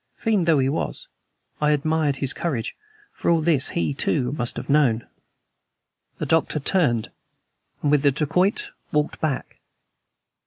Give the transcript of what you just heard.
Fiend though he was, I admired his courage; for all this he, too, must have known. The Doctor turned, and with the dacoit walked back.